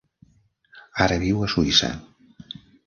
Ara viu a Suïssa.